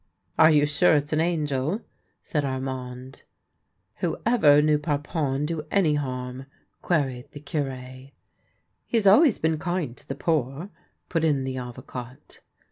" Are you sure it's an angel ?" said Armand. '" Whoever knew Parpon do any harm ?" queried the Cure. " He has always been kind to the poor," put in the Avocat.